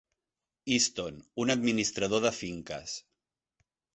Easton, un administrador de finques.